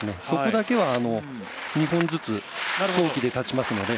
そこだけは２本ずつになります。